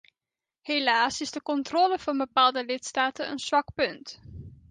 Helaas is de controle van bepaalde lidstaten een zwak punt.